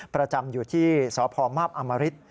ประจำอยู่ที่สพมอำริฐ